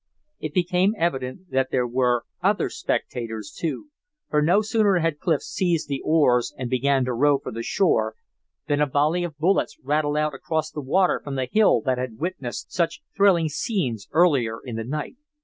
It became evident that there were other spectators, too; for no sooner had Clif seized the oars and began to row for the shore than a volley of bullets rattled out across the water from the hill that had witnessed such thrilling scenes earlier in the night.